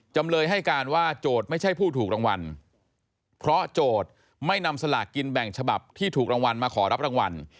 จำเลยให้การว่าโจทย์ไม่ใช่ผู้ถูกรางวัลเพราะโจทย์ไม่นำสลากกินแบ่งฉบับที่ถูกรางวัลมาขอรับรางวัล